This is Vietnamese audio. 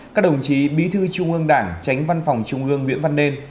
các đồng chí bí thư trung ương đảng tránh văn phòng trung ương nguyễn văn nên